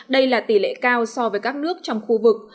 đây là tỷ lệ cao so với các nước trong khu vực